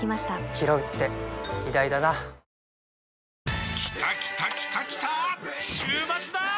ひろうって偉大だなきたきたきたきたー！